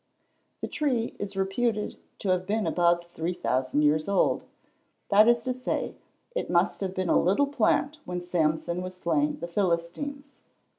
The tree is reputed to have been above 3,000 years old; that is to say, it must have been a little plant when Samson was slaying the Philistines.